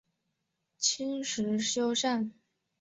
清时修缮。